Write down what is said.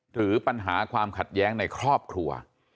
หรือปัญหาความขัดแย้งในครอบครัว